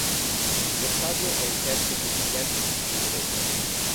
Lo stadio è il terzo più capiente di tutto il Congo.